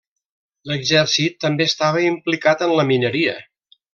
L'exèrcit també estava implicat en la mineria.